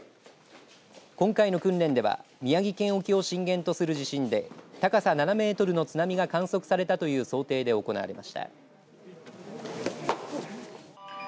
今回の訓練では宮城県沖を震源とする地震で高さ７メートルの津波が観測されたという想定で行われました。